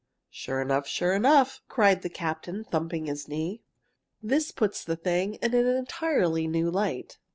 "Sure enough! sure enough!" cried the captain, thumping his knee. "This puts the thing in an entirely new light.